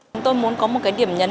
chúng tôi muốn có một điểm nhấn